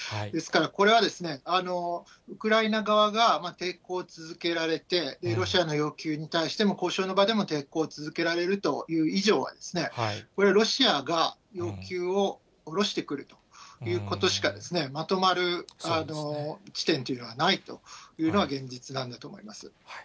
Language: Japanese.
ですから、これは、ウクライナ側が、抵抗を続けられて、ロシアの要求に対しても、交渉の場でも抵抗を続けられるという以上は、これはロシアが要求を下ろしてくるということしか、まとまる地点というのは、ないというのが現実なんだと思います。